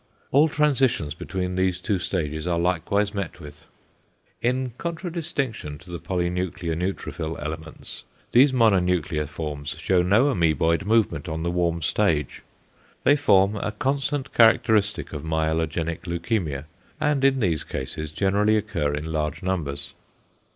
All transitions between these two stages are likewise met with. In contradistinction to the polynuclear neutrophil elements, these mononuclear forms shew no amoeboid movement on the warm stage. They form a constant characteristic of myelogenic leukæmia, and in these cases generally occur in large numbers.